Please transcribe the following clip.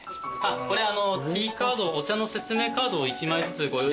これティーカードお茶の説明カードを１枚ずつご用意。